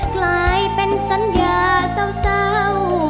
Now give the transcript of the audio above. กลายเป็นสัญญาเศร้า